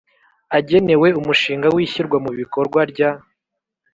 agenewe Umushinga w Ishyirwa mu Bikorwa rya